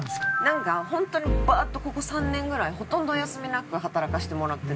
なんか本当にバーッとここ３年ぐらいほとんど休みなく働かせてもらってて。